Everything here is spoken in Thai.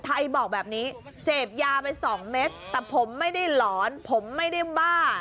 ไทยบอกแบบนี้เสพยาไปสองเม็ดแต่ผมไม่ได้หลอนผมไม่ได้บ้า